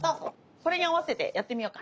これに合わせてやってみようか。